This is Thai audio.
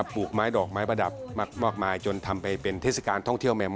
ปลูกไม้ดอกไม้ประดับมากมายจนทำไปเป็นเทศกาลท่องเที่ยวแมว